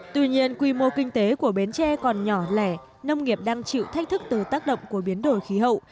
tuy nhiên quy mô kinh tế của bến tre còn nhỏ lẻ nông nghiệp đang chịu thách thức từ tác động của biến đổi khí hậu